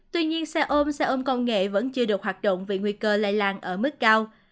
tuy nhiên xe ôm xe ôm công nghệ vẫn chưa được hoạt động vì nguy cơ lây lan ở mức cao